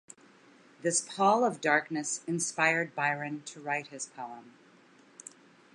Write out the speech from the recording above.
This pall of darkness inspired Byron to write his poem.